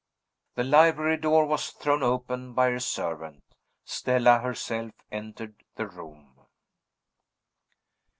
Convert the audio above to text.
The library door was thrown open by a servant. Stella herself entered the room.